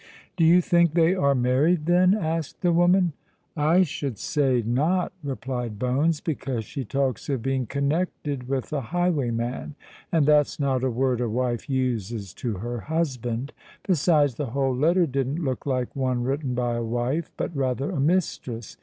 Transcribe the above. "Do you think they are married, then?" asked the woman. "I should say not," replied Bones; "because she talks of being connected with a highwayman—and that's not a word a wife uses to her husband. Besides, the whole letter didn't look like one written by a wife—but rather a mistress.